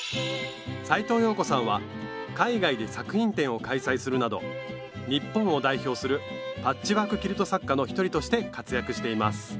斉藤謠子さんは海外で作品展を開催するなど日本を代表するパッチワーク・キルト作家の一人として活躍しています